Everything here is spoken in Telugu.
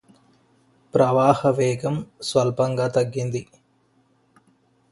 ప్రవాహ వేగం స్వల్పంగా తగ్గింది